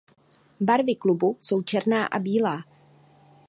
Barvy klubu jsou černá a bílá.